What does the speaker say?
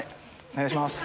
お願いします。